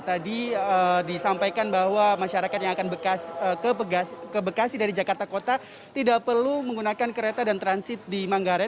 tadi disampaikan bahwa masyarakat yang akan ke bekasi dari jakarta kota tidak perlu menggunakan kereta dan transit di manggarai